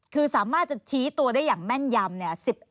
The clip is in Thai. คือสามารถจะชี้ตัวได้อย่างแม่นยำเนี่ย